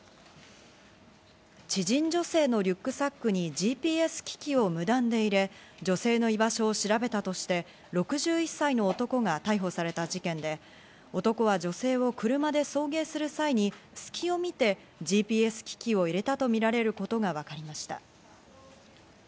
知人女性のリュックサックにＧＰＳ機器を無断で入れ、女性の居場所を調べたとして、６１歳の男が逮捕された事件で、男は女性を車で送迎する際に隙を見て、ＧＰＳ機器を入れたとみられることが分かりました。